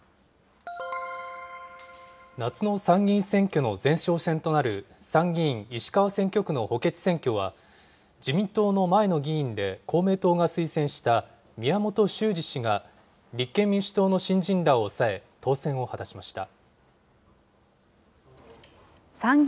夏の参議院選挙の前哨戦となる参議院石川選挙区の補欠選挙は、自民党の前の議員で公明党が推薦した宮本周司氏が、立憲民主党の新人らを抑え、当選を果たしました。